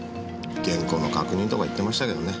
原稿の確認とか言ってましたけどね。